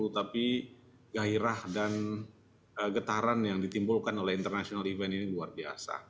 tapi gairah dan getaran yang ditimbulkan oleh international event ini luar biasa